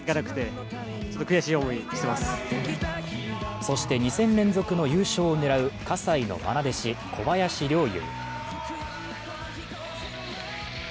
そして、２戦連続の優勝を狙う葛西の愛弟子、小林陵侑。